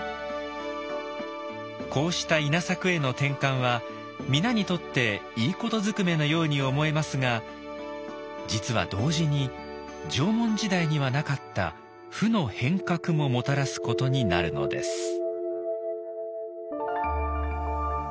こうした稲作への転換は皆にとっていいことずくめのように思えますが実は同時に縄文時代にはなかった“負の変革”ももたらすことになるのです。